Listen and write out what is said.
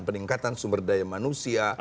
peningkatan sumber daya manusia